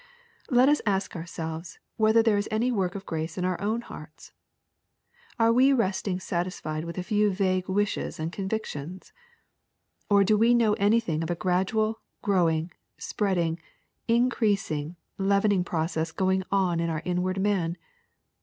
Let us ask ourselves whether there is any work of grace in our own hearts. Are we resting satisfied with a few vague wishes and convictions ? Or do we know anything of a gradual, growing, spreading, increasing, leavening process going on in our inward man